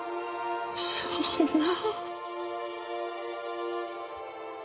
そんな。